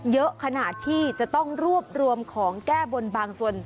เยอะขนาดที่จะต้องรวบรวมของแก้บนบางส่วน